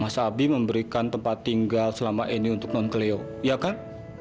mas abi memberikan tempat tinggal selama ini untuk nonkeleo iya kan